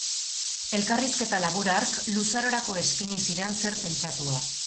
Elkarrizketa labur hark luzarorako eskaini zidan zer pentsatua.